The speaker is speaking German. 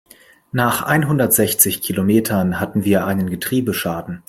Nach einhundertsechzig Kilometern hatten wir einen Getriebeschaden.